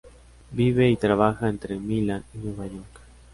Vive y trabaja entre Milán y Nueva York.